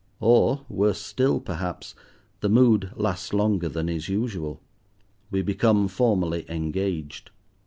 Or worse still, perhaps, the mood lasts longer than is usual. We become formally engaged.